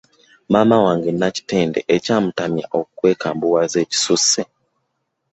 Maama wange Nakitende ekyamuntamya kwekambuwaza ekisusse.